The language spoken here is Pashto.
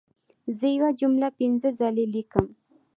زه یوه جمله پنځه ځله لیکم.